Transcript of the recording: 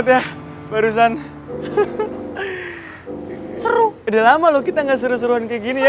banget ya barusan seru udah lama lo kita enggak seru seruan kayak gini ya